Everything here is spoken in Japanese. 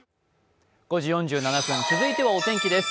続いてはお天気です。